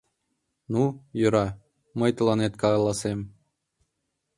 Ну, йӧра, мый тыланет каласем.